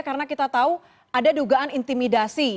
karena kita tahu ada dugaan intimidasi